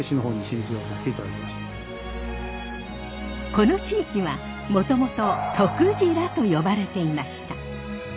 この地域はもともと「とくじら」と呼ばれていました。